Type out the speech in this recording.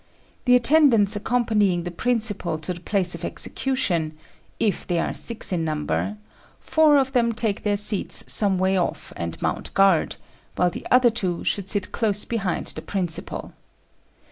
The attendants accompanying the principal to the place of execution, if they are six in number, four of them take their seats some way off and mount guard, while the other two should sit close behind the principal.